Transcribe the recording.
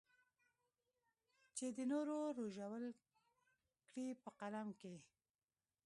چې د نورو رژول کړې په قلم کې.